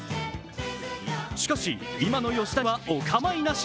しかし、今の吉田はお構いなし。